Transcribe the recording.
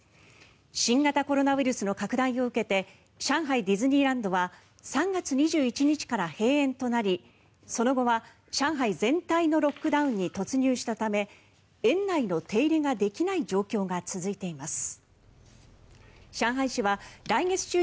新型コロナウイルスの拡大を受けて上海ディズニーランドは３月２１日から閉園となりその後は上海全体のロックダウンに突入したため園内の手入れができない状況が続いています。